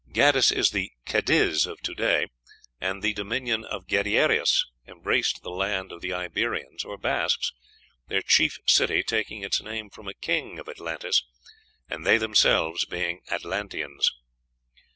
Gades is the Cadiz of today, and the dominion of Gadeirus embraced the land of the Iberians or Basques, their chief city taking its name from a king of Atlantis, and they themselves being Atlanteans.